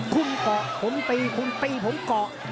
คุณเกาะผมตีคุณตีผมเกาะ